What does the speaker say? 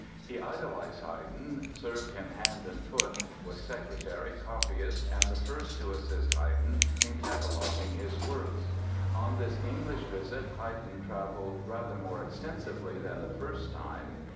He idolized Haydn, served him hand and foot, was secretary, copyist and the first to assist Haydn in cataloguing his works. On this English visit Haydn traveled rather more extensively than the first time.